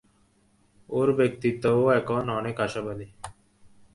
ওর ব্যক্তিত্ব ও এখন অনেক আশাবাদী।